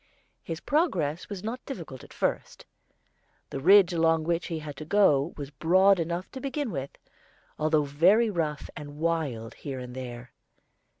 His progress was not difficult at first. The ridge along which he had to go was broad enough to begin with, although very rough and wild here and there.